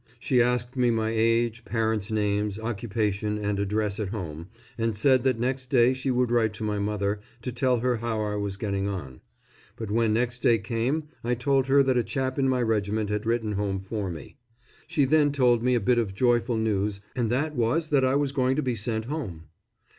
She asked me my age, parents' names, occupation and address at home, and said that next day she would write to my mother, to tell her how I was getting on; but when next day came I told her that a chap in my regiment had written home for me. She then told me a bit of joyful news, and that was that I was going to be sent home.